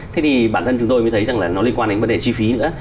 thế thì bản thân chúng tôi mới thấy rằng là nó liên quan đến vấn đề chi phí nữa